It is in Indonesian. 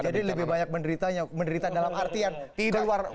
jadi lebih banyak menderita dalam artian keluar